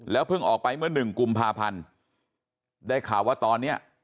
เพิ่งออกไปเมื่อหนึ่งกุมภาพันธ์ได้ข่าวว่าตอนนี้